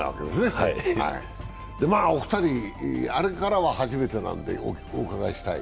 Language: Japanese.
お二人、あれからは初めてなんでお伺いしたい。